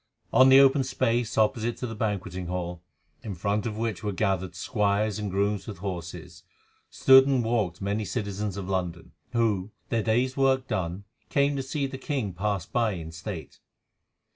On the open space opposite to the banqueting hall, in front of which were gathered squires and grooms with horses, stood and walked many citizens of London, who, their day's work done, came to see the king pass by in state.